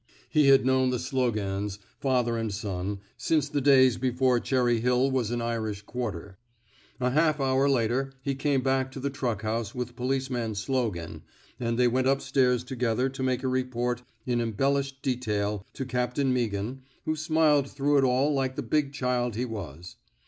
He had known the Slogans, father and son, since the days before Cherry Hill was an Irish quarter. A half hour later he came back to the truck house with policeman Slogan, and they went up stairs together to make a report in embellished detail to Captain Meaghan, who smiled through it all like the big chUd he was.